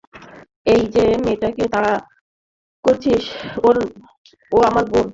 এই, যে মেয়েটাকে তাড়া করছিস ও আমার বোন।